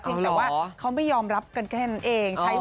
แต่ว่าเขาไม่ยอมรับกันแค่นั้นเอง